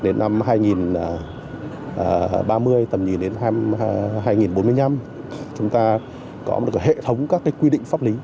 tầm nhìn đến năm hai nghìn ba mươi tầm nhìn đến năm hai nghìn bốn mươi năm chúng ta có một hệ thống các quy định pháp lý